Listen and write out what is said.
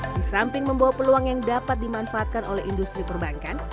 disamping membawa peluang yang dapat dimanfaatkan oleh industri perbankan